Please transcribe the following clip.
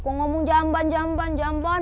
kok ngomong jamban jamban jamban